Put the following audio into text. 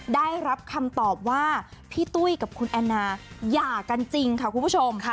ได้รับคำตอบว่าพี่ตุ้ยกับคุณแอนนาหย่ากันจริงค่ะคุณผู้ชม